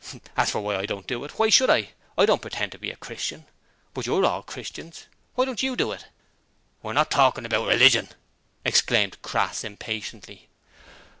As for why I don't do it why should I? I don't pretend to be a Christian. But you're all "Christians" why don't you do it?' 'We're not talkin' about religion,' exclaimed Crass, impatiently.